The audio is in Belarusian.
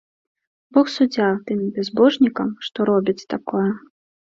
Бог суддзя тым бязбожнікам, што робяць такое.